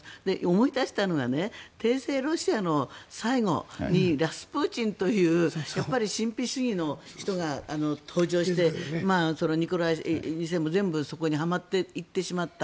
思い出したのが帝政ロシアの最後にラスプーチンという神秘主義の人が登場してニコライ２世も全部そこにはまっていってしまった。